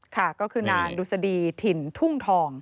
ค่ะก็คือนางดุษฎีถิ่นทุ่งทอง